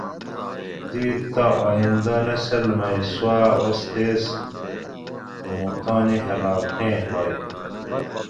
کہ چری لِکیٹیریں تعلیمیں دِیش کہ توجہ دِیت تہ آئیندہ نسل مئی سوآۤ اُستیز موں تانی علاقیں ہوئے